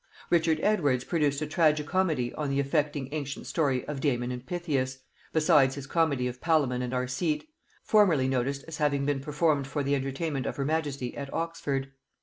Richard Edwards produced a tragi comedy on the affecting ancient story of Damon and Pithias, besides his comedy of Palamon and Arcite, formerly noticed as having been performed for the entertainment of her majesty at Oxford.